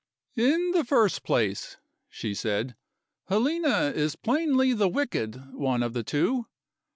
"In the first place," she said, "Helena is plainly the wicked one of the two.